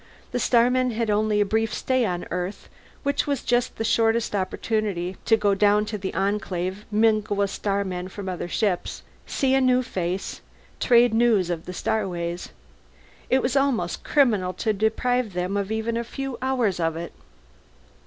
The starmen had only a brief stay on Earth, with just the shortest opportunity to go down to the Enclave, mingle with starmen from other ships, see a new face, trade news of the starways. It was almost criminal to deprive them of even a few hours of it.